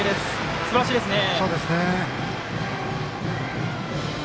すばらしいですね。